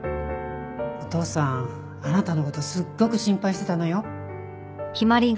お父さんあなたの事すっごく心配してたのよ。